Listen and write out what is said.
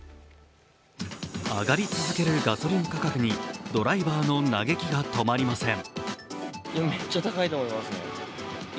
上がり続けるガソリン価格にドライバーの嘆きが止まりません。